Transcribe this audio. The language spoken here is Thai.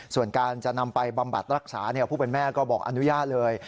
ส่วนการจะนำไปบำบัดรักษาผู้เป็นแม่ก็บอกอนุญาตเลย